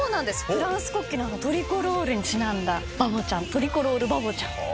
フランス国旗のトリコロールにちなんだバボちゃんトリコロールバボちゃん。